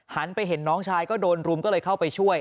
ไปเห็นน้องชายก็โดนรุมก็เลยเข้าไปช่วย